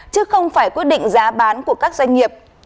chứ không phải quyết định giá bán của các doanh nghiệp